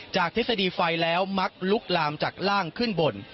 ทฤษฎีไฟแล้วมักลุกลามจากล่างขึ้นบน